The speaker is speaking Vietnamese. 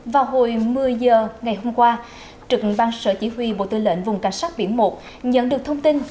vào hồi một mươi h ngày hôm qua trực ban sở chỉ huy bộ tư lệnh vùng cảnh sát biển một nhận được thông tin